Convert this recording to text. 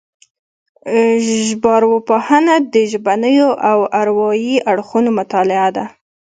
ژبارواپوهنه د ژبنيو او اروايي اړخونو مطالعه ده